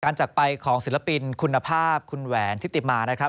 จากไปของศิลปินคุณภาพคุณแหวนทิติมานะครับ